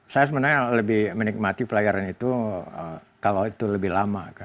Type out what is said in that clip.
saya sebenarnya lebih menikmati pelayaran itu kalau itu lebih lama